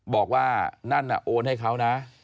บอกว่านั่นน่ะโอนให้เขานะ